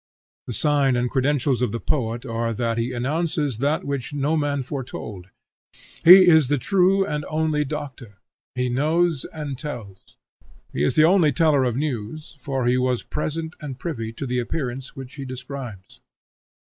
The sign and credentials of the poet are that he announces that which no man foretold. He is the true and only doctor; he knows and tells; he is the only teller of news, for he was present and privy to the appearance which he describes.